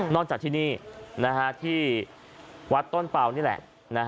จากที่นี่ที่วัดต้นเป่านี่แหละ